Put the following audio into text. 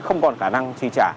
không còn khả năng trì trả